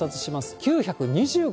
９２５